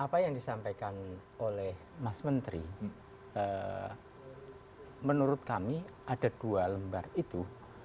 apa yang disampaikan oleh mas menteri menurut kami ada dua lembar itu